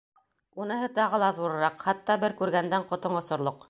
Уныһы тағы ла ҙурыраҡ, хатта бер күргәндән ҡотоң осорлоҡ.